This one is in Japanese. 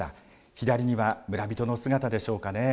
左には村人の姿でしょうかね。